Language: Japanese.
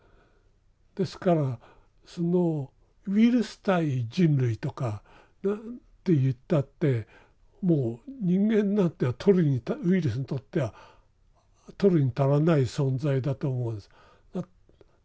ですからそのウイルス対人類とかって言ったってもう人間なんていうのはウイルスにとっては取るに足らない存在だと思うんです。